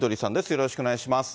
よろしくお願いします。